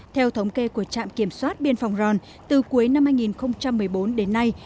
theo thống kê của trạm kiểm soát biên phòng ròn từ cuối năm hai nghìn một mươi bốn đến nay